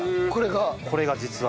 これが実は。